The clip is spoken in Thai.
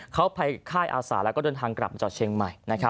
เขาไปค่ายอาสาแล้วก็เดินทางกลับมาจากเชียงใหม่